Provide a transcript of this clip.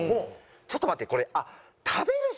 ちょっと待ってこれあっ食べる人